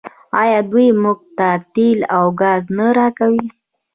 آیا دوی موږ ته تیل او ګاز نه راکوي؟